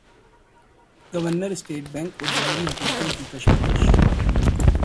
governor state bank اور جمہوری حکومتوں کی کشمکش